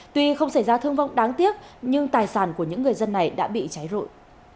tuy không xảy ra thương vong đáng tiếc nhưng tài sản của những người dân này đã bị cháy rụi